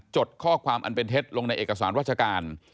ดข้อความอันเป็นเท็จลงในเอกสารราชการ